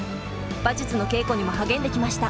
馬術の稽古にも励んできました。